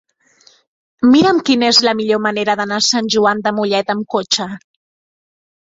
Mira'm quina és la millor manera d'anar a Sant Joan de Mollet amb cotxe.